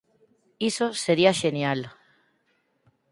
Iso sería xenial.